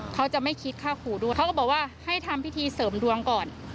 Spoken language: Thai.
เขาจะไม่คิดค่าขู่ด้วยเขาก็บอกว่าให้ทำพิธีเสริมดวงก่อน